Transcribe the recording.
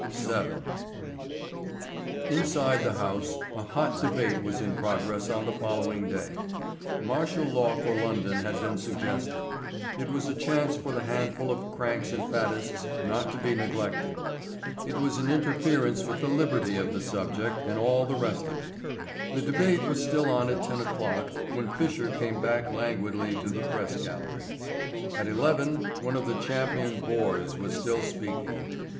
VII. Inside the House a hot debate was in progress on the following day. Martial law for London had been suggested. It was a chance for the handful of cranks and faddists not to be neglected. It was an interference with the liberty of the subject and all the rest of it. The debate was still on at ten o'clock when Fisher came back languidly to the Press gallery. At eleven one of the champion bores was still speaking.